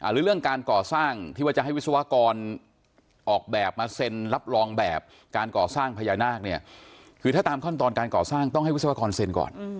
หรือเรื่องการก่อสร้างที่ว่าจะให้วิศวกรออกแบบมาเซ็นรับรองแบบการก่อสร้างพญานาคเนี่ยคือถ้าตามขั้นตอนการก่อสร้างต้องให้วิศวกรเซ็นก่อน